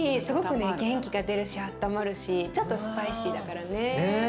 すごくね元気が出るしあったまるしちょっとスパイシーだからね。ね。